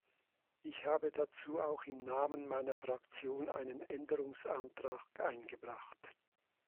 Ich habe dazu auch im Namen meiner Fraktion einen Änderungsantrag eingebracht.